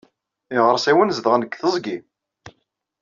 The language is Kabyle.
Iɣersiwen zedɣen deg teẓgi.